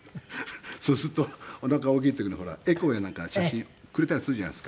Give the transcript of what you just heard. そうするとおなか大きい時のエコーやなんか写真くれたりするじゃないですか。